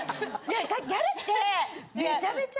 ギャルってめちゃめちゃ。